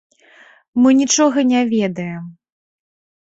Мы нічога не ведаем.